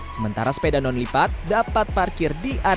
sementara sepeda non lipat dapat parkir diantara